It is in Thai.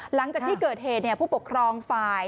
หลังจากที่เกิดเหตุผู้ปกครองฝ่าย